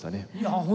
本当